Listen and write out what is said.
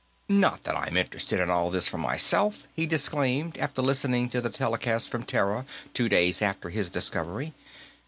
"Not that I'm interested in all this, for myself," he disclaimed, after listening to the telecast from Terra two days after his discovery.